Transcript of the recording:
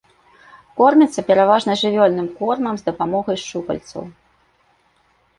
Кормяцца пераважна жывёльным кормам, з дапамогай шчупальцаў.